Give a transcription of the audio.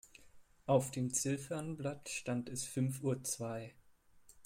Auf dem Ziffernblatt stand fünf Uhr zwei.